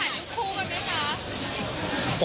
ได้ถ่ายทุกคู่กันมั้ยครับ